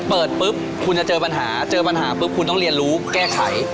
เปิดปุ๊บคุณจะเจอปัญหาเจอปัญหาปุ๊บคุณต้องเรียนรู้แก้ไข